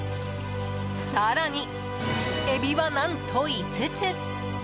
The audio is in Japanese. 更に、エビは何と５つ。